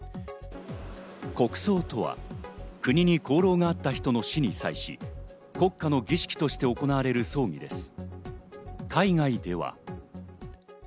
国葬とは、国に功労があった人の死に際し、国家の儀式として行われる葬儀です。